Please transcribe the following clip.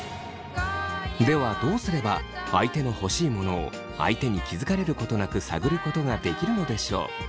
ではどうすれば相手の欲しい物を相手に気づかれることなく探ることができるのでしょう？